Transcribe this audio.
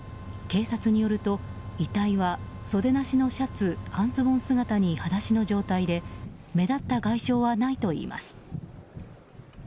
警察によると遺体は、袖なしのシャツ半ズボン姿に、はだしの状態で目立った外傷はないといいます。